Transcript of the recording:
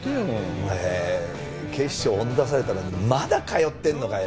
お前警視庁追い出されたのにまだ通ってんのかよ。